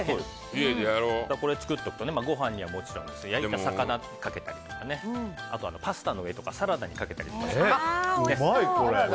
家でこれを作っておくとご飯にはもちろん焼いた魚をかけたりあとパスタの上とかサラダにかけたりしても。